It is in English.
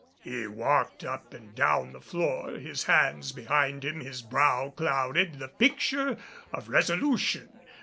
He walked up and down the floor, his hands behind him, his brow clouded, the picture of resolution.